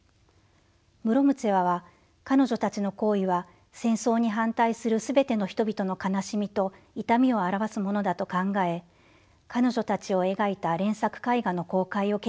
ムロムツェワは彼女たちの行為は戦争に反対する全ての人々の悲しみと痛みを表すものだと考え彼女たちを描いた連作絵画の公開を決意しました。